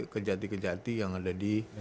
kejati kejati yang ada di